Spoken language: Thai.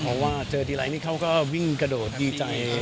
เพราะว่าเจอทีไรนี่เขาก็วิ่งกระโดดดีใจ